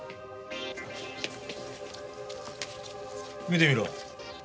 見てみろ。